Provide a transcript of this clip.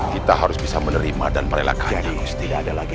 kita harus bisa menerima dan merelakannya ustik